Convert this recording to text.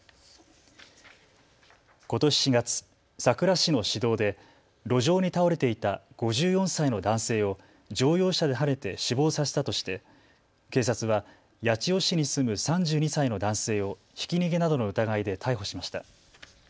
ことし４月、佐倉市の市道で路上に倒れていた５４歳の男性を乗用車ではねて死亡させたとして警察は八千代市に住む３２歳の男性をひき逃げなどの疑いで逮捕しました。